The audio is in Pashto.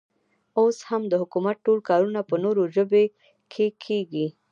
اوس هم د حکومت ټول کارونه په نورو ژبو کې کېږي.